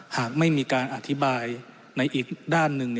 หากไม่มีการอธิบายในอีกด้านหนึ่ง